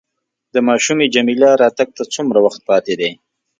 د ماشومې جميله راتګ ته څومره وخت پاتې دی؟